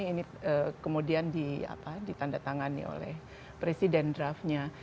ini kemudian ditandatangani oleh presiden draftnya